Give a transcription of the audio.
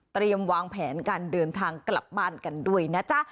วางแผนการเดินทางกลับบ้านกันด้วยนะจ๊ะ